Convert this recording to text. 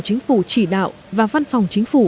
chính phủ chỉ đạo và văn phòng chính phủ